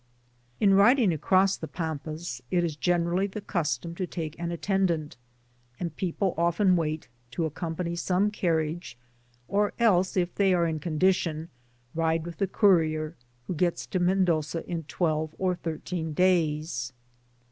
4c ♦ 4c 4c « In riding across the Pampas, it is generally the custom to take an attendant, and people often wait to accompany some carriage; or, if they are in condition, ride with the courier, who gets to Men doza in twelve or thirteen days.